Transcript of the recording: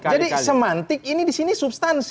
jadi semantik ini disini substansi